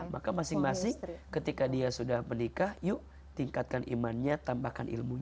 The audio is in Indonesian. maka masing masing ketika dia sudah menikah yuk tingkatkan imannya tambahkan ilmunya